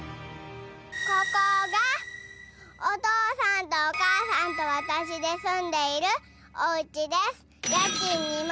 ここがお父さんとお母さんと私で住んでいるおうちです。